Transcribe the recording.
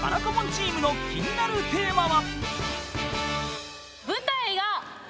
チームの気になるテーマは］